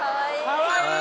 ［かわいい！］